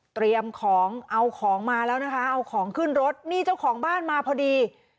เตรียมของเอาของมาแล้วนะคะเอาของขึ้นรถนี่เจ้าของบ้านมาพอดี